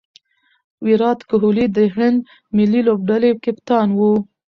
ویرات کهولي د هند د ملي لوبډلي کپتان وو.